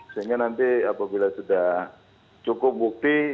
sehingga nanti apabila sudah cukup bukti